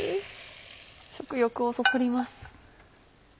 食欲をそそります。